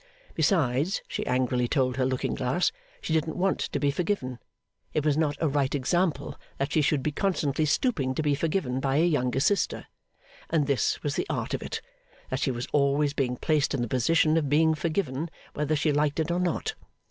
Besides (she angrily told her looking glass), she didn't want to be forgiven. It was not a right example, that she should be constantly stooping to be forgiven by a younger sister. And this was the Art of it that she was always being placed in the position of being forgiven, whether she liked it or not.